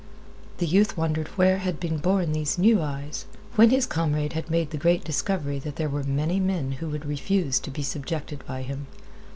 The youth wondered where had been born these new eyes; when his comrade had made the great discovery that there were many men who would refuse to be subjected by him.